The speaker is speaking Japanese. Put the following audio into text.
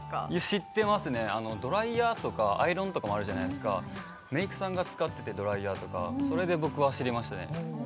知ってますねドライヤーとかアイロンとかもあるじゃないですかメイクさんが使っててドライヤーとかそれで僕は知りましたね